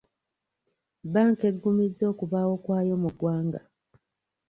Bbanka eggumizza okubaawo kwayo mu ggwanga.